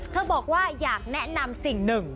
บอกว่าอยากแนะนำสิ่งหนึ่ง